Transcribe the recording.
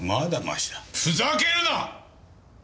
ふざけるな！